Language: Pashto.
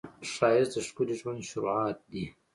ښایست د ښکلي ژوند شروعات دی